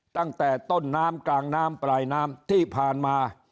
ตั้งแต่ต้นน้ำกลางน้ำปลายน้ำที่ผ่านมา